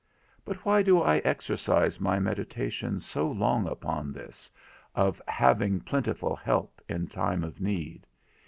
But why do I exercise my meditation so long upon this, of having plentiful help in time of need?